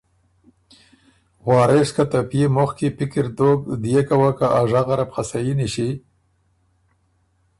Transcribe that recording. وارث که ته پئے مُخ کی پِکِر دوک ديېکه وه که ا ژغه ره بو خه صحیح نِݭی